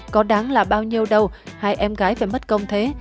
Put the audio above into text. có đáng là bao nhiêu đâu hai em gái phải mất công thế